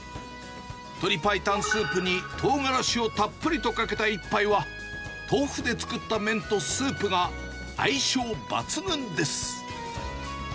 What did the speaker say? とりぱいたんスープにとうがらしをたっぷりとかけた一杯は豆腐で作った麺とスープが相性抜群です。